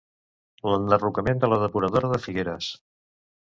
L'enderrocament de la depuradora de Figueres.